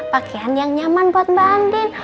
pakaian yang nyaman buat mbak andin